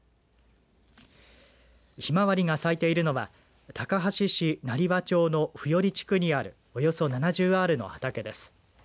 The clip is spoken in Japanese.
ひまわりが咲いているのは高梁市成羽町の布寄地区にあるおよそ７０アールの畑です。